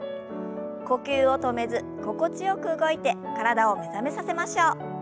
呼吸を止めず心地よく動いて体を目覚めさせましょう。